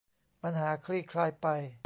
ปัญหาคลี่คลายไป